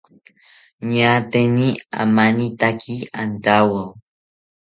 Ñaateni amanitaki antawo